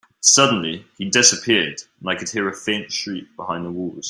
Suddenly, he disappeared, and I could hear a faint shriek behind the walls.